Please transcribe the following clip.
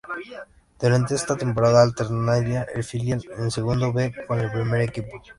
Durante esa temporada alternaría el filial en Segunda B con el primer equipo.